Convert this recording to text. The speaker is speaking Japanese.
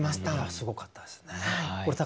すごかったですね。